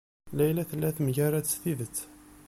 Layla tella temgerrad s tidet.